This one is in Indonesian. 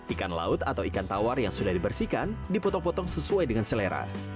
ikan laut atau ikan tawar yang sudah dibersihkan dipotong potong sesuai dengan selera